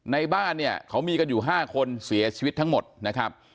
ในบ้านเนี่ยเขามีกันอยู่๕คนเสียชีวิตทั้งหมดนะครับ